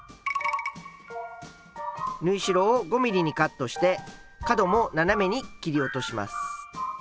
縫い代を５ｍｍにカットして角も斜めに切り落とします。